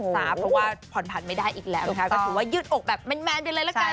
เพราะว่าผ่อนผันไม่ได้อีกแล้วนะคะก็ถือว่ายืดอกแบบแมนไปเลยละกัน